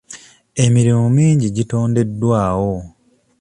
Emirimu mingi gitondeddwawo.